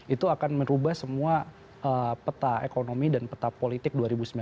itu akan merubah semua peta ekonomi dan peta politik dua ribu sembilan belas